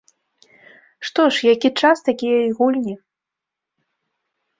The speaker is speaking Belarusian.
Што ж, які час, такія і гульні.